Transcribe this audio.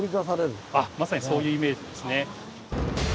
あっまさにそういうイメージですね。